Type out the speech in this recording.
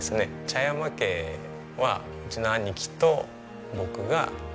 茶山家はうちの兄貴と僕が男は最後。